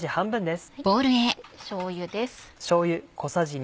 しょうゆです。